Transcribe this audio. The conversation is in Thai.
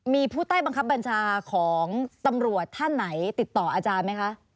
มีผู้ใต้บังคับบัญชาของตำรวจท่านไหนติดต่ออาจารย์ไหมคะ